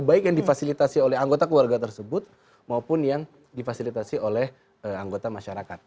baik yang difasilitasi oleh anggota keluarga tersebut maupun yang difasilitasi oleh anggota masyarakat